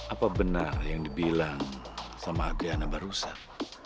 apa benar yang dibilang sama agriana barusan